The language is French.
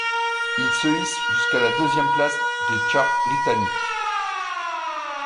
Il se hisse jusqu'à la deuxième place des charts britanniques.